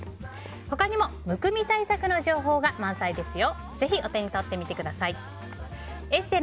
他にもむくみ対策の情報が満載ですよ。